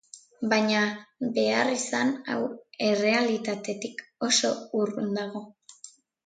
Baina beharrizan hau errealitatetik oso urrun dago.